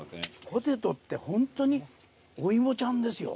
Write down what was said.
ポテトってホントにお芋ちゃんですよ。